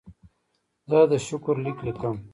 زه د شکر لیک لیکم.